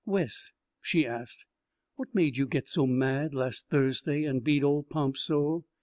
"Wes," she asked, "what made you get so mad last Thursday and beat old Pomp so?"